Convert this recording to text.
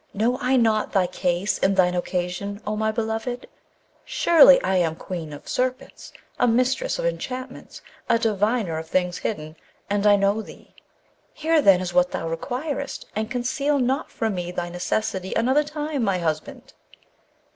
Know I not thy case and thine occasion, O my beloved? Surely I am Queen of Serpents, a mistress of enchantments, a diviner of things hidden, and I know thee. Here, then, is what thou requirest, and conceal not from me thy necessity another time, my husband!'